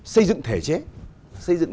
xây dựng thể chế xây dựng